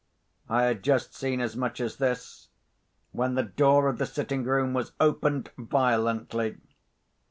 I had just seen as much as this, when the door of the sitting room was opened violently.